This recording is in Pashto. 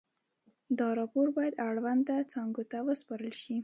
دا راپور باید اړونده څانګو ته وسپارل شي.